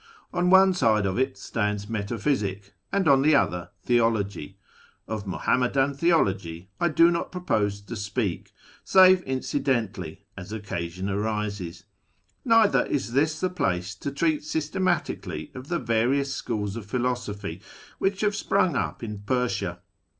On one side of it stands metaphysic, and on the other theology. Of Muham madan theology I do not propose to speak, save incidentally, as occasion arises ; neither is this the place to treat system atically of the various schools of philosophy which have sprung up in Persia.